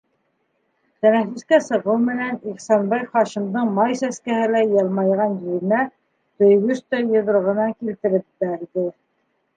Тәнәфескә сығыу менән Ихсанбай Хашимдың май сәскәһеләй йылмайған йөҙөнә төйгөстәй йоҙроғо менән килтереп бәрҙе.